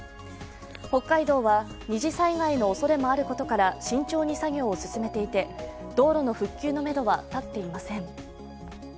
北海道は二次災害のおそれもあることから慎重に作業を進めていて道路の復旧のめどは立っていません。